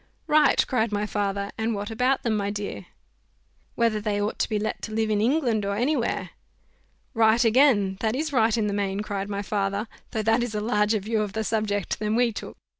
"Right," cried my father; "and what about them, my dear?" "Whether they ought to be let to live in England, or any where." "Right again, that is right in the main," cried my father; "though that is a larger view of the subject than we took."